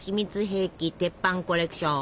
兵器鉄板コレクション！